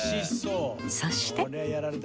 そして。